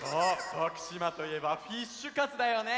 徳島といえばフィッシュカツだよね！